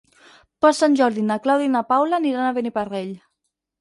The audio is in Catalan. Per Sant Jordi na Clàudia i na Paula aniran a Beniparrell.